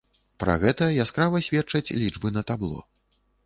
Пра гэта яскрава сведчаць лічбы на табло.